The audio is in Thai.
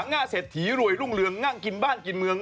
หน้าเศรษฐีรวยรุ่งเรืองนั่งกินบ้านกินเมือง